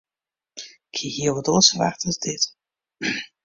Ik hie hiel wat oars ferwachte as dit.